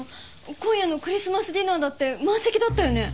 今夜のクリスマスディナーだって満席だったよね？